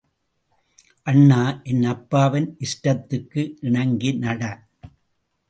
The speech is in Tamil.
அண்ணா, என் அப்பாவின் இஷ்டத்துக்கு இணங்கி நட.